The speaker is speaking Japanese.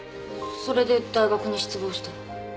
それで大学に失望して？